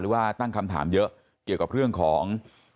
ว่าตั้งคำถามเยอะเกี่ยวกับเรื่องของ